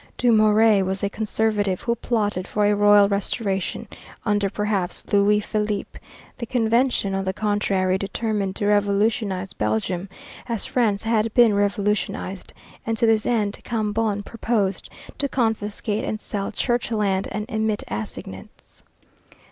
Dumouriez was a conservative who plotted for a royal restoration under, perhaps, Louis Philippe. The Convention, on the contrary, determined to revolutionize Belgium, as France had been revolutionized, and to this end Cambon proposed to confiscate and sell church land and emit assignats.